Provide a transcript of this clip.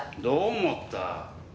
どう思った？